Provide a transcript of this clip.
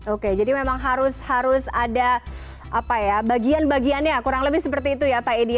oke jadi memang harus ada bagian bagiannya kurang lebih seperti itu ya pak edi